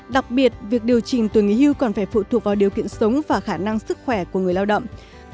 đặc biệt việc điều chỉnh tuổi nghỉ hưu còn phải phụ thuộc vào điều kiện sống và khả năng sức khỏe của người lao động